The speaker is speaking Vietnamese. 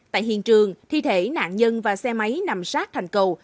tại hiện trường thi thể nạn nhân và xe máy nằm sát thành cầu